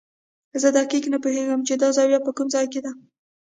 زه دقیق نه پوهېږم چې دا زاویه په کوم ځای کې ده.